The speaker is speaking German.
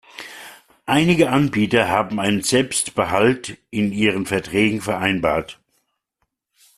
Einige Anbieter haben einen Selbstbehalt in ihren Verträgen vereinbart.